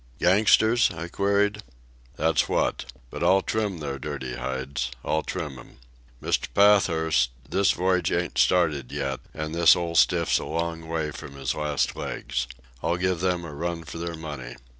"Gangsters?" I queried. "That's what. But I'll trim their dirty hides. I'll trim 'em. Mr. Pathurst, this voyage ain't started yet, and this old stiff's a long way from his last legs. I'll give them a run for their money.